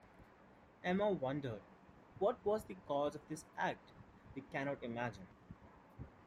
Emma wondered, what was the cause of this act, we cannot imagine.